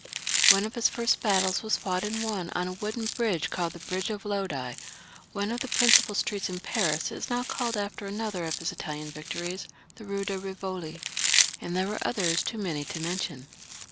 One of his first battles was fought and won on a wooden bridge, called the Bridge of Lodi ; one of the prin cipal streets in Paris is now called after another of his Italian victories, the Kue de Eivoli ; and there were others too many to mention.